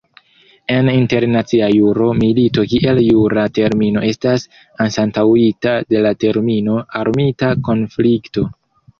En internacia juro, milito kiel jura termino estas anstataŭita de la termino "armita konflikto".